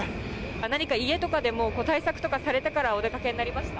何か家とかでも対策とかされてからお出かけになりました？